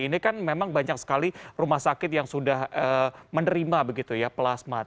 ini kan memang banyak sekali rumah sakit yang sudah menerima begitu ya plasma